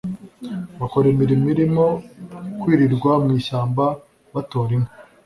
bakora imirimo irimo kwirirwa mu ishyamba batora inkwi